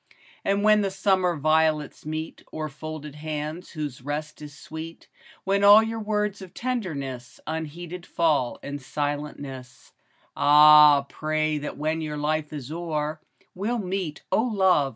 And when the summer violets meet O'er folded hands whose rest is sweet, When all your words of tenderness Unheeded fall in silentness, — Ah, pray that when your life is o'er, We'll meet, O love